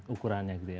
ukurannya gitu ya